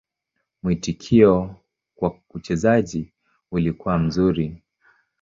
Mwitikio kwa uchezaji ulikuwa mzuri.